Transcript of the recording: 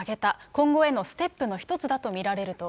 今後へのステップの一つだと見られると。